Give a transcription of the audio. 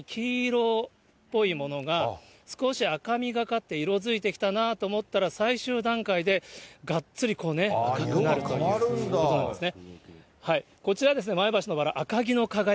咲き始めがですね、こちらのように黄色っぽいものが、少し赤みがかって色づいてきたなと思ったら、最終段階でがっつりこうね、赤くなるということなんですね。